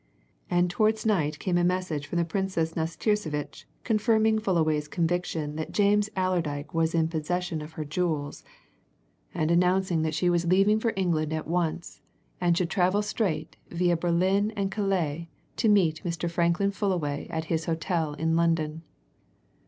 And towards night came a message from the Princess Nastirsevitch confirming Fullaway's conviction that James Allerdyke was in possession of her jewels and announcing that she was leaving for England at once, and should travel straight, via Berlin and Calais, to meet Mr. Franklin Fullaway at his hotel in London.